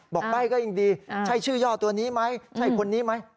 ใบ้ก็ยังดีใช่ชื่อย่อตัวนี้ไหมใช่คนนี้ไหม